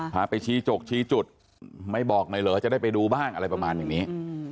พาไปชี้จกชี้จุดไม่บอกหน่อยเหรอจะได้ไปดูบ้างอะไรประมาณอย่างนี้